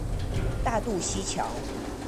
大肚溪橋